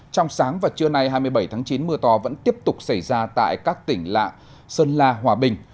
trong sáng và trưa nay hai mươi bảy tháng chín mưa to vẫn tiếp tục xảy ra tại các tỉnh lạ sơn la hòa bình